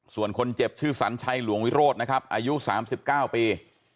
ส่วนคนเจ็บชื่อสัญชัยหลวงวิโรธนะครับอายุ๓๙ปี